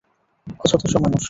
অযথা সময় নষ্ট!